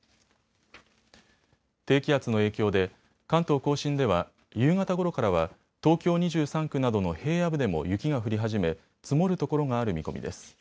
低気圧の影響で関東甲信では夕方ごろからは、東京２３区などの平野部でも雪が降り始め積もるところがある見込みです。